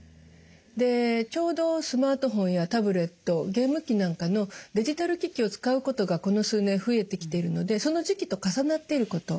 でちょうどスマートフォンやタブレットゲーム機なんかのデジタル機器を使うことがこの数年増えてきているのでその時期と重なっていること。